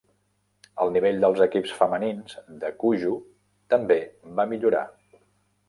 El nivell dels equips femenins de cuju també va millorar.